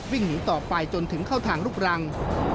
วิ่งหนีต่อไปจนถึงเข้าทางลูกรัง